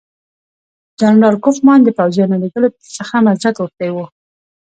جنرال کوفمان د پوځیانو لېږلو څخه معذرت غوښتی وو.